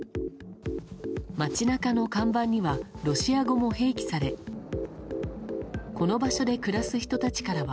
街中の看板にはロシア語も併記されこの場所で暮らす人たちからは。